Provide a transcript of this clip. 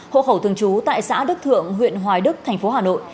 hộ khẩu thường trú tại xã đức thượng huyện hoài đức thành phố hà nội